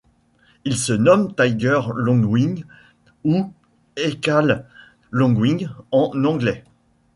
Il se nomme Tiger Longwing ou Hecale Longwing en anglais.